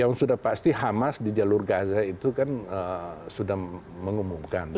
yang sudah pasti hamas di jalur gaza itu kan sudah mengumumkan